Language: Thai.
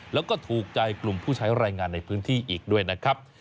แล้วก็ถูกใจกลุ่มผู้ใช้รายงานในพื้นที่อีกด้วยนะครับ